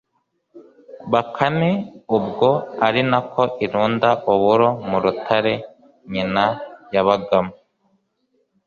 bakame ubwo ari nako irunda uburo mu rutare nyina yabagamo